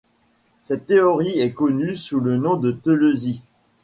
Cette théorie est connue sous le nom de telesis.